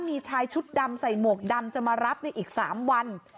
มีชายชุดดำใส่หมวกดำจะมารับในอีก๓วัน